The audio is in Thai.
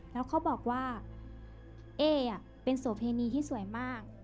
แล้วเขาบอกว่าเอ๊เป็นโสเพณีที่สวยมาก